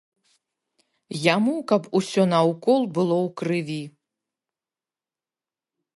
Яму каб усё наўкол было ў крыві.